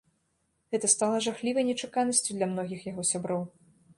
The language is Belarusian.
Гэта стала жахлівай нечаканасцю для многіх яго сяброў.